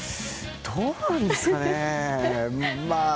どうなんですかね。